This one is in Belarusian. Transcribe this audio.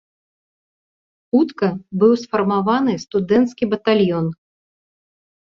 Хутка быў сфармаваны студэнцкі батальён.